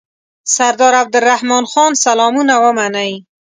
سردار عبدالرحمن خان سلامونه ومنئ.